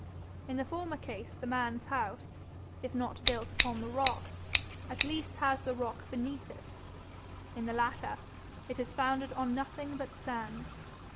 In the former case the man's house, if not built upon the rock, at least has the rock beneath it; in the latter, it is founded on nothing but sand.